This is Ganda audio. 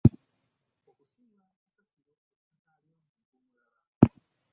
Okusuula kasasiro ku ttaka ly’omuntu omulala.